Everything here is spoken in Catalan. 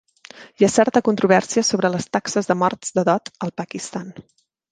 Hi ha certa controvèrsia sobre les taxes de morts de dot al Pakistan.